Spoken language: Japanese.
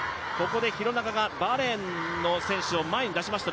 廣中が、バーレーンの選手を前に出しました